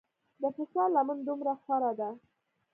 د فساد لمن دومره خوره ده.